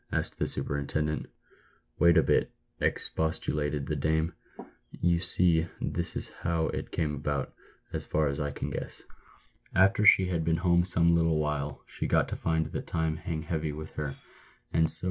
asked the superintendent. "Wait a bit!" expostulated the dame; "you see this is how it came about, as far as I can guess. After she had been home some little while, she got to find the time hang heavy with her, and so 22 PAVED WITH GOLD.